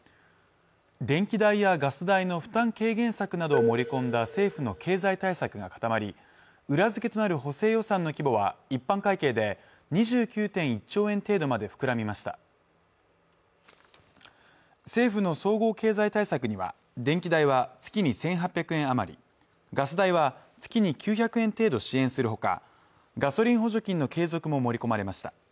電気代やガス代の負担軽減策などを盛り込んだ政府の経済対策が固まり裏付けとなる補正予算の規模は一般会計で２９．１兆円程度まで膨らみました政府の総合経済対策には電気代は月に１８００円余りガス代は月に９００円程度支援するほかガソリン補助金の継続も盛り込まれました